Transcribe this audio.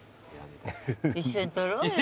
一緒に取ろうよ。